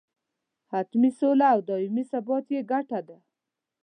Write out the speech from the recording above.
حتمي سوله او دایمي ثبات یې ګټه ده.